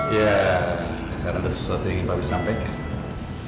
ya karena ada sesuatu yang ingin kami sampaikan